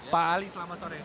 pak ali selamat sore